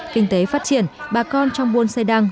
kinh tế phát triển bà con trong buôn xe đăng